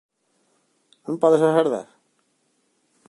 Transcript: Non podes agardar?